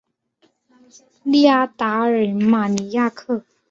利阿达尔马尼亚克。